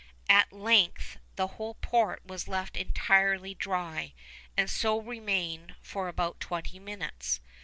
At length the whole port was left entirely dry, and so remained for about twenty minutes.